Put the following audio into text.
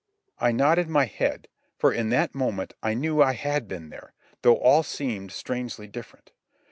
I nodded my head, for in that moment I knew I had been there, though all seemed strangely different.